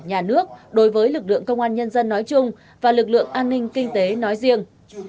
nhà nước đối với lực lượng công an nhân dân nói chung và lực lượng an ninh kinh tế nói riêng